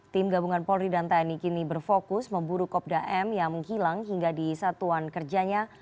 tim gabungan polri dan tni kini berfokus memburu kopda m yang menghilang hingga di satuan kerjanya